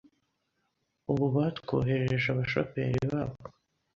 Ubu batwoherereje abashoferi babo